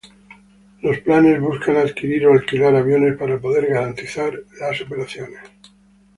Los planes buscan adquirir o alquilar aviones para poder garantizar las operaciones.